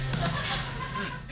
うん。